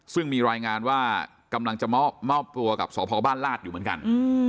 ซึ่งมีรายงานว่ากำลังจะมอบตัวกับสพบ้านลาดอยู่เหมือนกัน